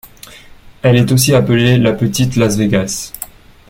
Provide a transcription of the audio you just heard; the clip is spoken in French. Elle est aussi appelée la petite Las Vegas.